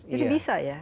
jadi bisa ya